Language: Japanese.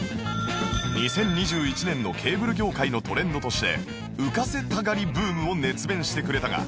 ２０２１年のケーブル業界のトレンドとして浮かせたがりブームを熱弁してくれたが